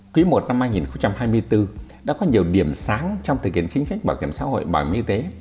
quý i năm hai nghìn hai mươi bốn đã có nhiều điểm sáng trong thực hiện chính sách bảo hiểm xã hội bảo hiểm y tế